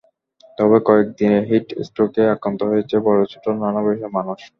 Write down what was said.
তবে কয়েক দিনে হিট স্ট্রোকে আক্রান্ত হয়েছে বড়-ছোট নানা বয়সের মানুষ।